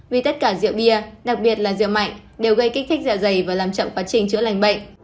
vì tất cả rượu bia đặc biệt là rượu mạnh đều gây kích thích dạ dày và làm chậm quá trình chữa lành bệnh